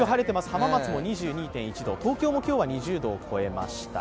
浜松も２２．１度、東京も今日は２０度を超えました。